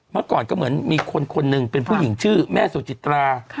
เมื่อก่อนก็เหมือนมีคนคนหนึ่งเป็นผู้หญิงชื่อแม่สุจิตรา